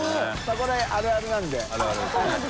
これあるあるなんで。